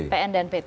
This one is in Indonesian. pn dan pt